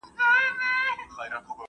ملکیت د انسان هڅه ده.